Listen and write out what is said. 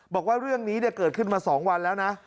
บอกว่าเรื่องนี้เกิดขึ้นมา๒วันแล้วนะ